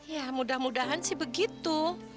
ya mudah mudahan sih begitu